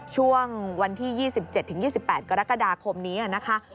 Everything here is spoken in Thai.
ช่วงวันที่๒๗๒๘กรกฎาคมนี้นะคะ